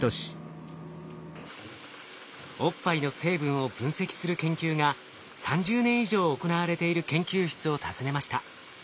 おっぱいの成分を分析する研究が３０年以上行われている研究室を訪ねました。